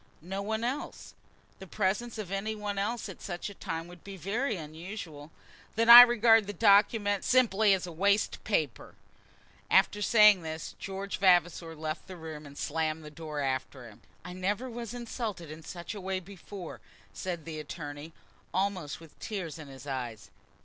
"No one else. The presence of any one else at such a time would be very unusual." "Then I regard the document simply as waste paper." After saying this, George Vavasor left the room, and slammed the door after him. "I never was insulted in such a way before," said the attorney, almost with tears in his eyes.